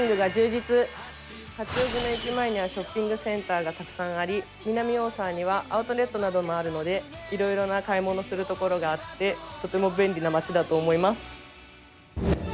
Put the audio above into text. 八王子の駅前にはショッピングセンターがたくさんあり、南大沢にはアウトレットなどもあるのでいろいろな買い物するところがあってとても便利な街だと思います。